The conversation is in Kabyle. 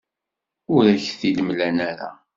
Ur ak-t-id-mlan ara.